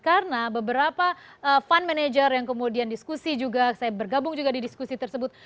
karena beberapa fund manager yang kemudian diskusi juga saya bergabung juga di diskusi tersebut